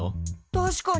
確かに。